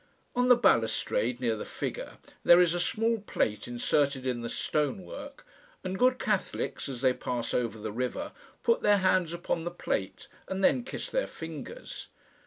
On the balustrade, near the figure, there is a small plate inserted in the stone work and good Catholics, as they pass over the river, put their hands upon the plate, and then kiss their fingers.